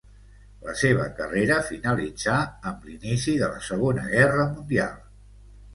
La seva carrera finalitzà amb l'inici de la Segona Guerra Mundial.